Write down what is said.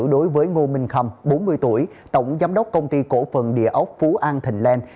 đối với ngô minh khâm bốn mươi tuổi tổng giám đốc công ty cổ phần địa ốc phú an thình len